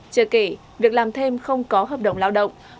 chưa kể việc làm thêm không có hợp đồng lao động